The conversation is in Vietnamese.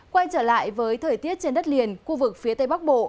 quay trở lại với thời tiết trên đất liền khu vực phía tây bắc bộ